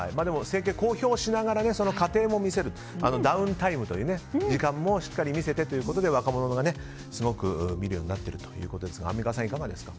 整形、公表しながらその過程も見せるダウンタイムという時間もしっかり見せてということで若者がすごく見るようになっているということですがアンミカさん、いかがですか？